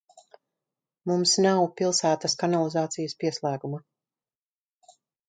Mums nav pilsētas kanalizācijas pieslēguma.